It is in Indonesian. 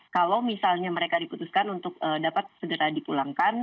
kalau misalnya mereka diputuskan untuk dapat segera dipulangkan